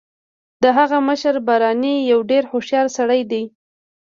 د هغه مشر بارني یو ډیر هوښیار سړی دی